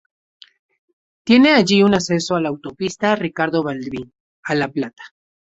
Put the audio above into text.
Tiene allí un acceso a la Autopista Ricardo Balbín, a La Plata.